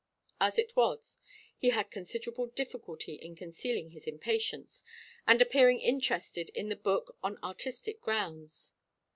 As it was, he had considerable difficulty in concealing his impatience, and appearing interested in the book on artistic grounds.